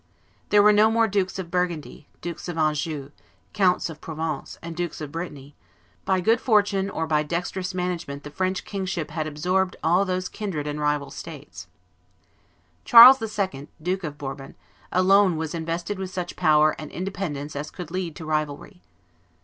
There were no more Dukes of Burgundy, Dukes of Anjou, Counts of Provence, and Dukes of Brittany; by good fortune or by dexterous management the French kingship had absorbed all those kindred and rival states. Charles II., Duke of Bourbon, alone was invested with such power and independence as could lead to rivalry.